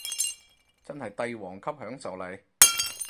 真係帝王級享受嚟